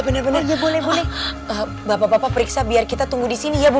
benar benar bu boleh boleh bapak bapak periksa biar kita tunggu di sini ya bu